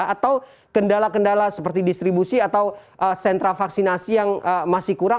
atau kendala kendala seperti distribusi atau sentra vaksinasi yang masih kurang